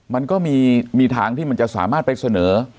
มันก็มีทางที่มันจะสามารถไปเสนอ